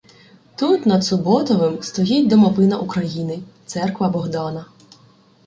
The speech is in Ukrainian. Тут, над Суботовом, стоїть "домовина України" — церква Богдана.